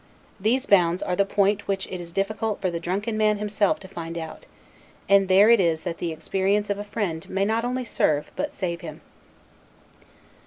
These bounds are the point which it is difficult for the drunken man himself to find out; and there it is that the experience of a friend may not only serve, but save him.